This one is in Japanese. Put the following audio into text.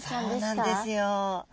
そうなんですよ。